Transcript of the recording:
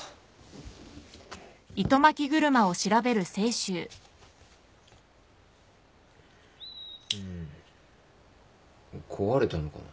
んー壊れたのかな？